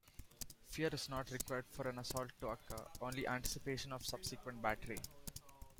Fear is not required for an assault to occur, only anticipation of subsequent battery.